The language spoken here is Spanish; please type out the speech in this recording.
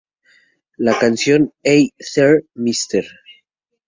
La canción "Hey There Mr.